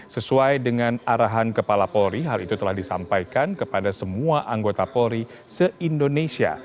sesuai dengan arahan kepala polri hal itu telah disampaikan kepada semua anggota polri se indonesia